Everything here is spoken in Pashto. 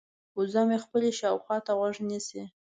وزه مې خپلې شاوخوا ته غوږ نیسي.